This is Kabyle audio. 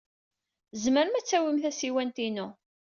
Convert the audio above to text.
Tzemrem ad tawim tasiwant-inu.